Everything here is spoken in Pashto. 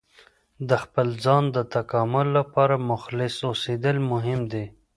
د خپل ځان د تکامل لپاره مخلص اوسیدل مهم دي.